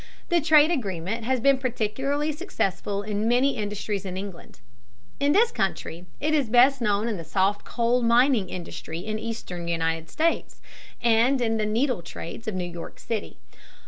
The trade agreement has been particularly successful in many industries in England. In this country it is best known in the soft coal mining industry in eastern United States, and in the needle trades of New York City.